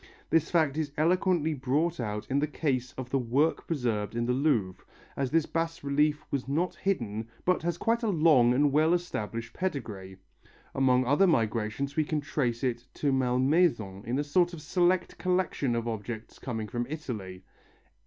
This fact is eloquently brought out in the case of the work preserved in the Louvre, as this bas relief was not hidden but has quite a long and well established pedigree. Among other migrations we can trace it to Malmaison in a sort of select collection of objects coming from Italy.